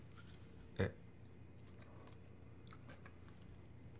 えっ。